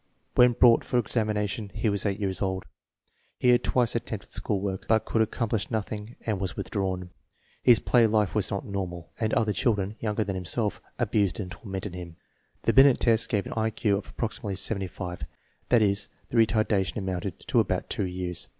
When brought for examination he was 8 years old. He had twice attempted school work, but could accomplish nothing and was withdrawn. His play life was not normal, and other children, younger than himself, abused and tormented him. The Binet tests gave an I Q of approximately 75; that is, the retardation amounted to about two years.